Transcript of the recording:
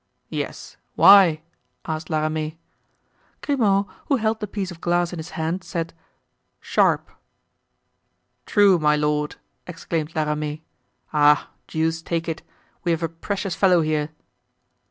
"Yes—why?" asked La Ramee. Grimaud, who held the piece of glass in his hand, said: "Sharp." "True, my lord!" exclaimed La Ramee. "Ah! deuce take it! we have a precious fellow here!"